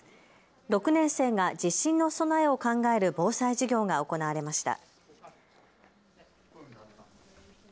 ６年生が地震の備えを考える防災授業が行われました。